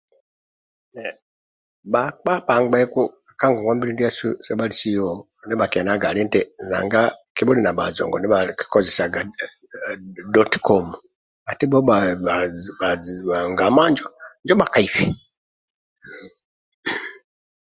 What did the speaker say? Bhakpa bha bhenku kagogwabili ndiasu sa bhalisio ndi bha kianaga alinti kibhili na bhajongo ndibhakikozesaga doti komu adibho bha ghama njo bha ka hibhi